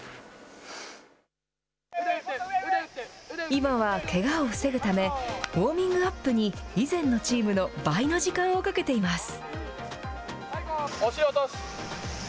今は、けがを防ぐため、ウォーミングアップに以前のチームの倍の時間をかけています。